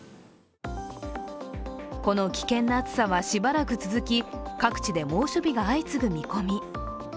この危険な暑さはしばらく続き各地で猛暑日が相次ぐ見込み。